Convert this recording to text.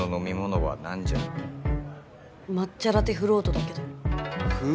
抹茶ラテフロートだけど。